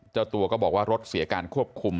เจ้าตัวก็บอกว่ารถเสียการควบคุม